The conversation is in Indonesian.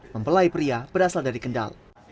mempelai pria berasal dari kendal